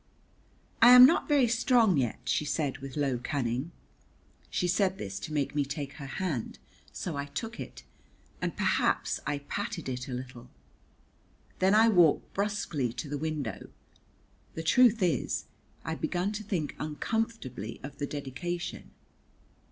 "I am not very strong yet," she said with low cunning. She said this to make me take her hand, so I took it, and perhaps I patted it a little. Then I walked brusquely to the window. The truth is, I begun to think uncomfortably of the dedication.